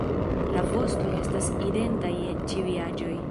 La vosto estas identa je ĉiuj aĝoj.